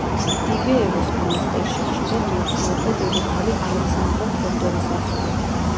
დივეევოს მონასტერში ხშირად ლოცულობდა დედოფალი ალექსანდრა თევდორეს ასული.